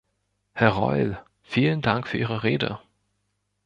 Herr Reul, vielen Dank für Ihre Rede.